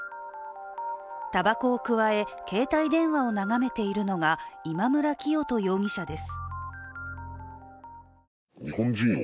たばこをくわえ、携帯電話を眺めているのが今村磨人容疑者です。